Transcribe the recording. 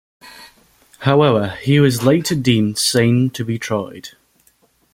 However, he was later deemed sane to be tried.